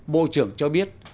bộ trưởng cho biết